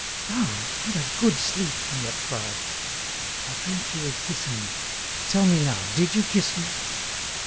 "Ah! I've had a good sleep!" Miette cried. "I dreamt you were kissing me. Tell me now, did you kiss me?"